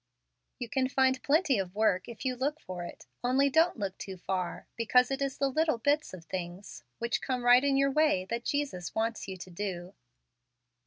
You can find plenty of work if you look for it; only don't look too far, because it is the little bits of things, which come right in your way, that Jesus wants yon to do.